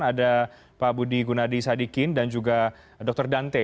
ada pak budi gunadi sadikin dan juga dr dante